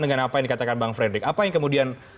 dengan apa yang dikatakan bang frederick apa yang kemudian